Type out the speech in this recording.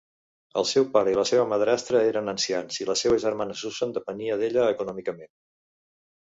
El seu pare i la seva madrastra eren ancians, i la seva germana Susan depenia d'ella econòmicament.